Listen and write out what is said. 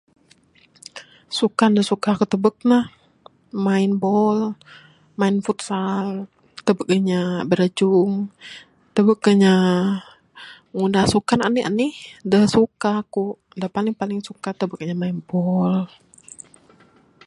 Sukan da suka ku tubek ne main bol main futsal tubek inya birajung tubek inya ngunah sukan anih anih da suka ku da paling paling suka ku tubek inya main bol.